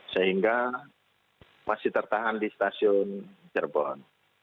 sehingga masih tertahan di stasiun cerbon